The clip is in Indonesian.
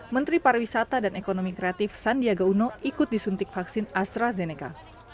menteri pariwisata dan ekonomi kreatif sandiaga uno ikut disuntik vaksin astrazeneca